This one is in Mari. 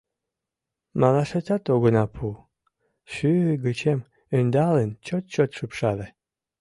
— Малашетат огына пу, — шӱй гычем ӧндалын, чот-чот шупшале.